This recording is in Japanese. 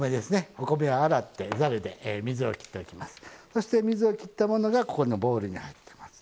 そして水を切ったものがここのボウルに入ってます。